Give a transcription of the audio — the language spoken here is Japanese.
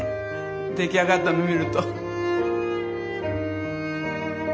出来上がったの見ると。